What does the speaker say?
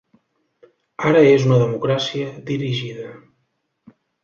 Ara és una democràcia dirigida.